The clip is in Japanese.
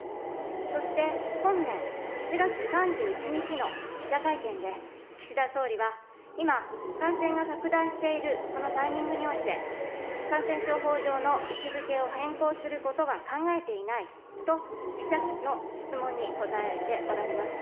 そして本年７月３１日の記者会見で、岸田総理は、今、感染が拡大しているこのタイミングにおいて、感染症法上の位置づけを変更することは考えていないと、記者の質問に答えておられます。